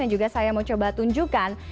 yang juga saya mau coba tunjukkan